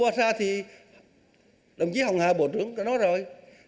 phong mô sa thì đồng chí hồng hà bộ trưởng đã nói rồi